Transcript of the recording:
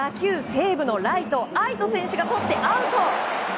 西武のライト愛斗選手がとってアウト！